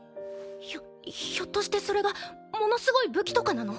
ひょひょっとしてそれがものすごい武器とかなの？